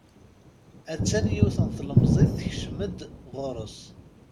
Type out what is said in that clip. A-tt-an yiwet n tlemẓit tekcem-d ɣur-s.